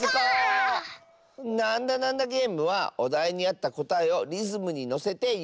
「なんだなんだゲーム」はおだいにあったこたえをリズムにのせていっていくゲームだよ。